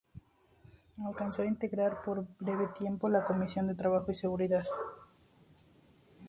Alcanzó a integrar, por breve tiempo, la Comisión de Trabajo y Seguridad Social.